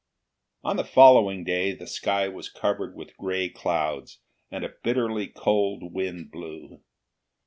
On the following day the sky was covered with gray clouds, and a bitterly cold wind blew.